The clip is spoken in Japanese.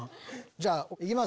じゃあいきます。